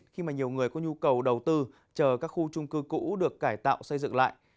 khi mà nhiều người có nhu cầu đầu tư chờ các khu trung cư cũ được cải tạo xây dựng lại